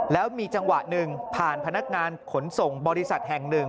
แล้วมีจังหวะหนึ่งผ่านพนักงานขนส่งบริษัทแห่งหนึ่ง